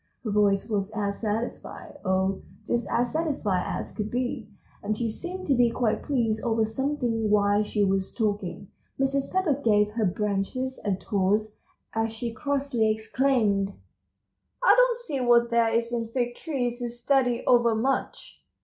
Her voice was as satisfied, oh, just as satisfied as could be, and she seemed to be quite pleased over something while she was talking. Mrs. Pepper gave her branches a toss, as she crossly exclaimed: "I don't see what there is in Fig Trees to study over much!